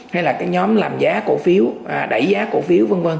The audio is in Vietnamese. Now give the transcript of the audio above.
hay là cái nhóm lái cổ phiếu